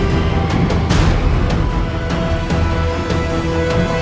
kau mau kemana